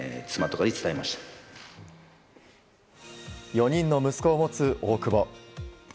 ４人の息子を持つ大久保。